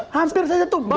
hampir saja tumbang